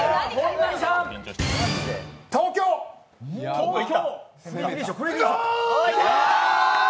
東京。